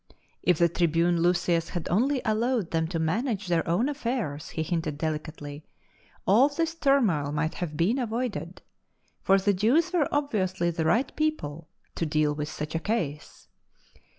If the tri bune Lysias had only allowed them to manage tlieir own affairs, he hinted delicately, aU this turmoil might have been avoided, for the Jews wSre obviously the right people to deal with such a case.